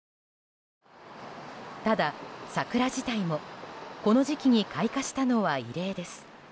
ただ、桜自体もこの時期に開花したのは異例です。